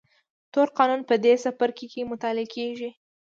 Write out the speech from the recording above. تور قانون په دې څپرکي کې مطالعه کېږي.